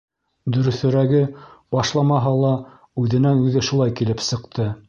Дөрөҫөрәге, башламаһа ла үҙенән-үҙе шулай килеп сыҡты.